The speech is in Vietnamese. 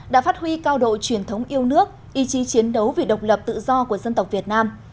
đã phát huy cao độ truyền thống yêu nước ý chí chiến đấu vì độc lập tự do của dân tộc việt nam